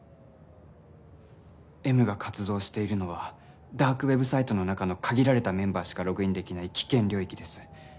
Ｍが活動しているのはダークウェブサイトの中の限られたメンバーしかログインできない危険領域です